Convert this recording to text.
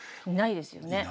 いないですよね。